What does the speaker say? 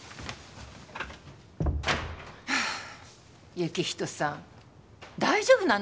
行人さん大丈夫なの？